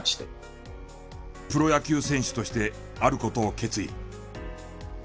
プロ野球選手としてある事を決意。